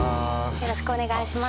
よろしくお願いします。